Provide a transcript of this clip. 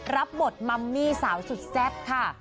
รับบทมัมมี่สาวสุดแซ่บค่ะ